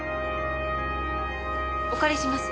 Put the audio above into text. お借りします。